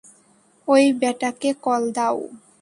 ওই ব্যাটাকে কল দাও।